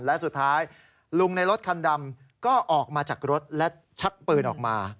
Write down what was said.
และสุดท้ายลุงในรถคันดำก็ออกมาจากรถและชักปืนออกมา